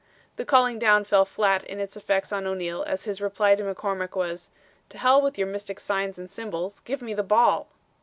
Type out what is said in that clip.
The calling down fell flat in its effects on O'Neal as his reply to McCormick was, 'To Hell with your mystic signs and symbols give me the ball!'"